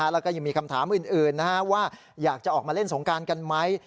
แล้วก็ยังมีคำถามอื่นว่าอยากจะออกมาเล่นสงการกันไหม